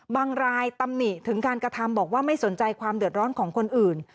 บางรายตำหนิถึงการกระทำบอกว่าไม่สนใจความเดือดร้อนของคนอื่น